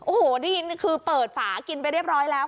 โอ้โหได้ยินคือเปิดฝากินไปเรียบร้อยแล้ว